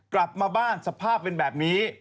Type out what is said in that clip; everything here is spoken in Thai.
กลับมาบ้านสภาพเป็นแบบนี้